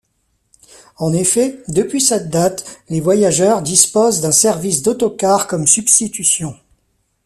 En effet, depuis cette date, les voyageurs disposent d'un service d'autocars comme substitution.